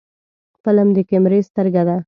فلم د کیمرې سترګه ده